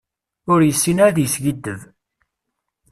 Ur yessin ara ad yeskiddeb.